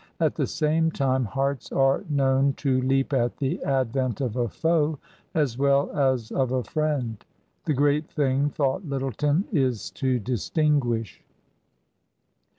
At the same time hearts are known to leap at the advent of a foe as well as of a friend. The great thing, thought Lyttleton, is to distinguish.